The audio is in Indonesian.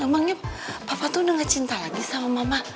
emangnya papa tuh udah gak cinta lagi sama mama